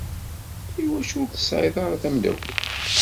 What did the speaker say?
Iwacu ur tesɛiḍ ara tamdakelt?